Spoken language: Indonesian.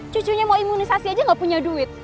cucunya mau imunisasi aja gak punya duit